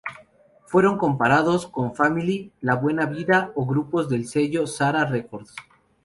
Fueron comparados con Family, La Buena Vida o grupos del sello Sarah Records.